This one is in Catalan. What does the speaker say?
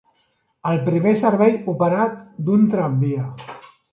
El primer servei operat d'un tramvia.